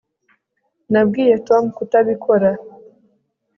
nabwiye tom kutabikora